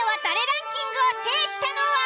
ランキングを制したのは？